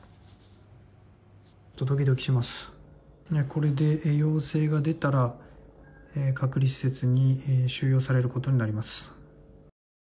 「これで陽性が出たら隔離施設に収容されることになります」